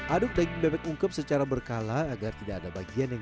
aduk daging bebek ungkep secara berkala agar tidak ada bagian yang